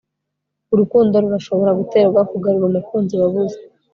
Urukundo Rurashobora guterwa Kugarura Umukunzi Wabuze